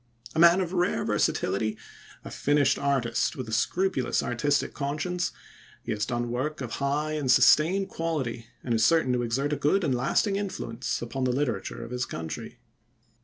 A man of rare versatility, a finished artist with a scrupulous artistic conscience, he has done work of high and sustained quality, and is certain to exert a good and lasting influence upon the literature of his country.